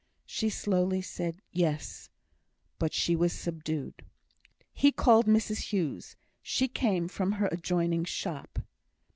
She slowly said, "Yes." But she was subdued. He called Mrs Hughes. She came from her adjoining shop.